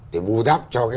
để bù đắp cho cái